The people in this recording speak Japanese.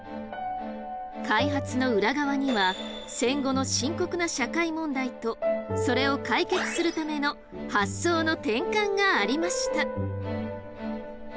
開発の裏側には戦後の深刻な社会問題とそれを解決するための発想の転換がありました。